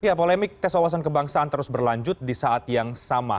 ya polemik tes wawasan kebangsaan terus berlanjut di saat yang sama